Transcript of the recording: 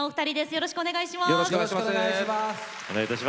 よろしくお願いします。